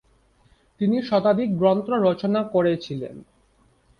তিনি শতাধিক গ্রন্থ রচনা করেছিলেন।